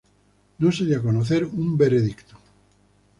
No se dio a conocer un veredicto.